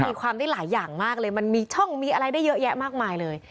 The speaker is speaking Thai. มีความได้หลายอย่างมากเลยมันมีช่องมีอะไรได้เยอะแยะมากมายเลย